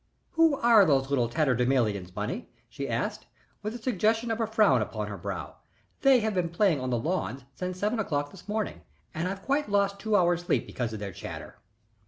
"Who are those little tatterdemalions, Bunny?" she asked, with a suggestion of a frown upon her brow. "They have been playing on the lawns since seven o'clock this morning, and I've lost quite two hours' sleep because of their chatter."